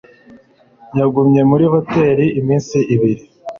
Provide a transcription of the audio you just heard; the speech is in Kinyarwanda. yagumye muri hoteri iminsi ibiri